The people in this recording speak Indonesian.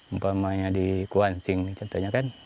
umpamanya di kuansing nih contohnya kan